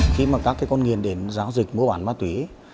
khi mà các con nghiện đến giao dịch mua bán ma túy